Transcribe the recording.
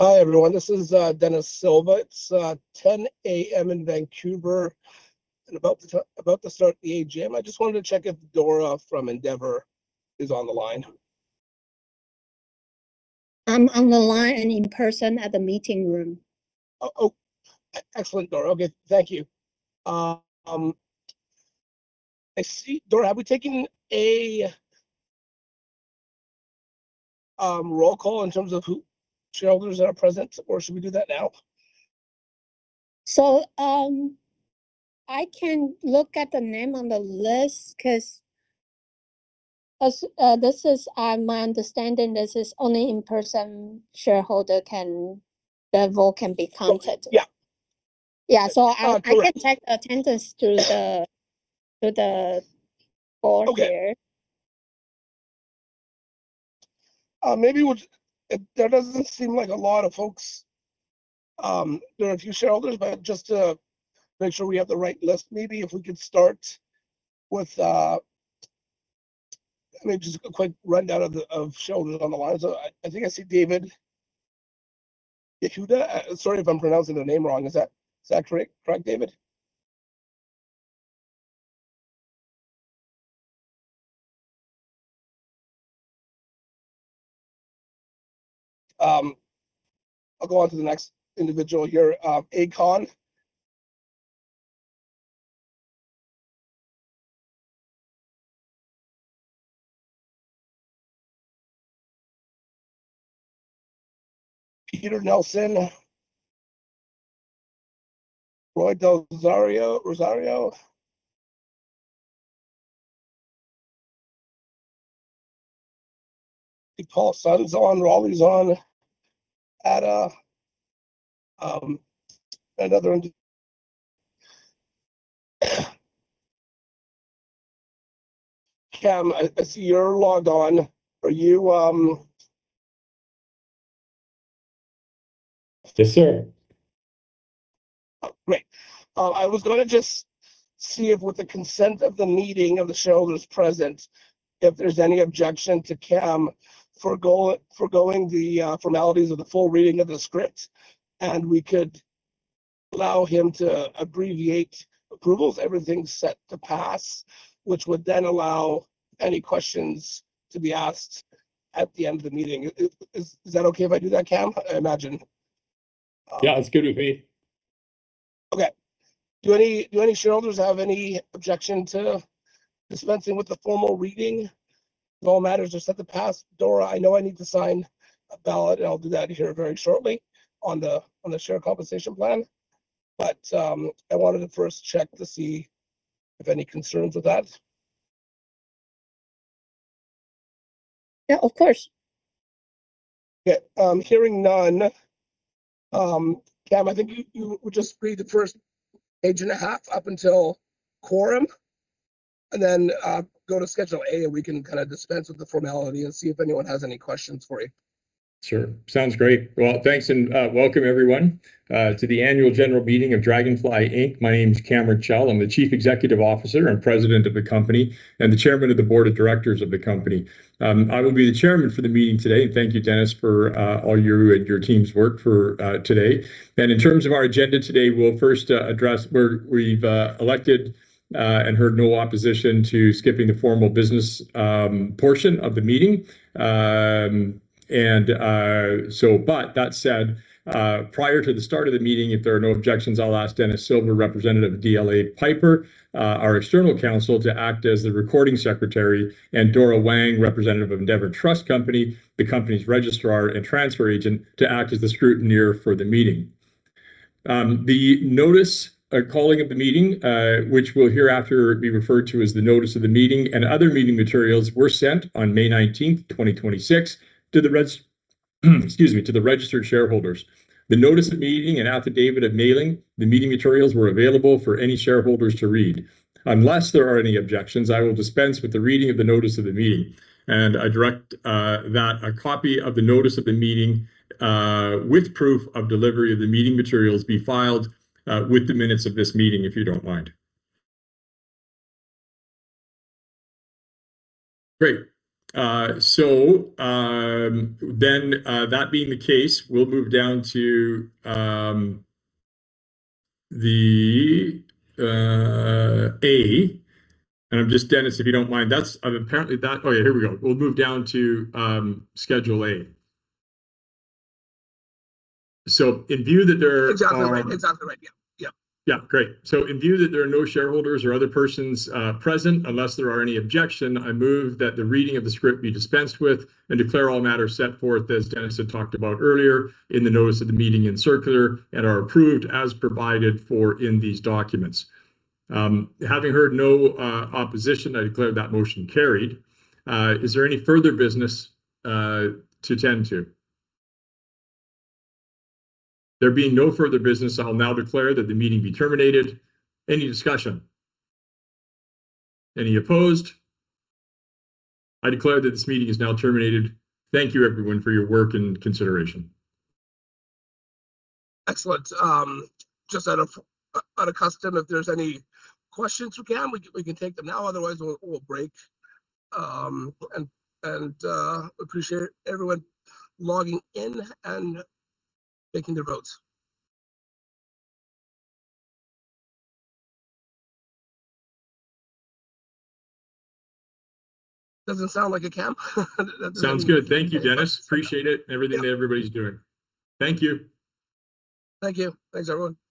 Hi, everyone. This is Denis Silva. It's 10:00 A.M. in Vancouver and about to start the AGM. I just wanted to check if Dora from Endeavor is on the line. I'm on the line and in person at the meeting room. Oh, excellent, Dora. Okay. Thank you. I see, Dora, have we taken a roll call in terms of who, shareholders that are present, or should we do that now? I can look at the name on the list because my understanding, this is only in-person shareholder can vote, can be counted. Okay. Yeah. Yeah. Correct. I can take attendance to the board here. Okay. There doesn't seem like a lot of folks. There are a few shareholders, but just to make sure we have the right list, maybe if we could start with a, maybe just a quick rundown of shareholders on the line. I think I see David Yehuda. Sorry if I'm pronouncing the name wrong. Is that correct, David? I'll go on to the next individual here, Akon. Peter Nelson. Roy Del Rosario. I think Paul Sun's on, Rolly Bustos's on. Ada. Other Cam, I see you're logged on. Yes, sir. Oh, great. I was going to just see if with the consent of the meeting of the shareholders present, if there's any objection to Cam forgoing the formalities of the full reading of the script, and we could allow him to abbreviate approvals, everything's set to pass, which would then allow any questions to be asked at the end of the meeting. Is that okay if I do that, Cam? I imagine. Yeah, that's good with me. Okay. Do any shareholders have any objection to dispensing with the formal reading? If all matters are set to pass, Dora, I know I need to sign a ballot, and I'll do that here very shortly on the share compensation plan. I wanted to first check to see if any concerns with that. Yeah, of course. Okay. Hearing none, Cam, I think you would just read the first page and a half up until quorum, and then go to Schedule A, and we can dispense with the formality and see if anyone has any questions for you. Sure. Sounds great. Well, thanks and welcome everyone to the annual general meeting of Draganfly Inc. My name's Cameron Chell. I'm the Chief Executive Officer and President of the company, and the Chairman of the Board of Directors of the company. I will be the chairman for the meeting today. Thank you, Denis, for all you and your team's work for today. In terms of our agenda today, we'll first address where we've elected, and heard no opposition to skipping the formal business portion of the meeting. That said, prior to the start of the meeting, if there are no objections, I'll ask Denis Silva, representative of DLA Piper, our external counsel, to act as the recording secretary, and Dora Wang, representative of Endeavor Trust Corporation, the company's registrar and transfer agent, to act as the scrutineer for the meeting. The notice of calling of the meeting, which will hereafter be referred to as the notice of the meeting, and other meeting materials were sent on May 19th, 2026, to the registered shareholders. The notice of meeting and affidavit of mailing the meeting materials were available for any shareholders to read. Unless there are any objections, I will dispense with the reading of the notice of the meeting. I direct that a copy of the notice of the meeting, with proof of delivery of the meeting materials be filed with the minutes of this meeting, if you don't mind. Great. That being the case, we'll move down to the A. Just, Denis, if you don't mind. Oh, yeah, here we go. We'll move down to Schedule A. In view that there- It's on the right. Yeah Yeah. Great. In view that there are no shareholders or other persons present, unless there are any objection, I move that the reading of the script be dispensed with and declare all matters set forth, as Denis had talked about earlier, in the notice of the meeting and circular, and are approved as provided for in these documents. Having heard no opposition, I declare that motion carried. Is there any further business to tend to? There being no further business, I'll now declare that the meeting be terminated. Any discussion? Any opposed? I declare that this meeting is now terminated. Thank you everyone for your work and consideration. Excellent. Just out of custom, if there's any questions for Cam, we can take them now. Otherwise, we'll break. Appreciate everyone logging in and making the votes. Doesn't sound like it, Cam. Sounds good. Thank you, Denis. Appreciate it, everything that everybody's doing. Thank you. Thank you. Thanks, everyone. Appreciate it.